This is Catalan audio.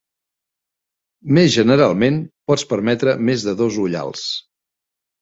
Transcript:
Més generalment, pots permetre més de dos ullals.